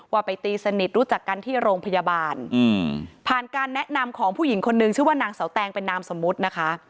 ว่าไปตีสนิทรู้จักกันที่โรงพยาบาลผ่านการแนะนำของผู้หญิงคนนึงชื่อว่านางเสาแตงเป็นนามสมมุตินะคะ